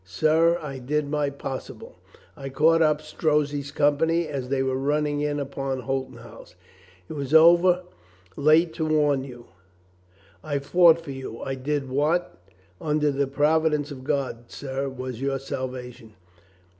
Sir, I did my possible. I caught up Strozzi's company as they were running in upon Holton House. It was over late to warn you. I fought for you. I did what, under the provi dence of God, sir, was your salvation.